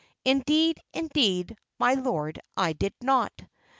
Indeed, indeed, my lord, I did not.